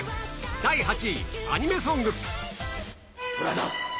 第８位、アニメソング。